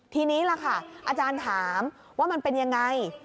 ทีนี้ล่ะค่ะอาจารย์ถามว่ามันเป็นยังไง